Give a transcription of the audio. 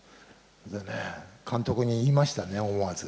でね、監督に言いましたね、思わず。